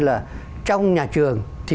là trong nhà trường thì